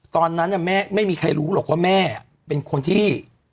ตอนนั้นแม่ไม่มีใครรู้หรอกว่าแม่เป็นคนที่